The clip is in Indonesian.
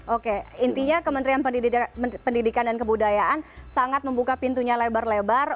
oke intinya kementerian pendidikan dan kebudayaan sangat membuka pintunya lebar lebar